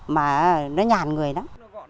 mà nó nhàn người đó